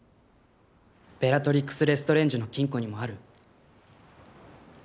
ベラトリックス・レストレンジの金庫にもある？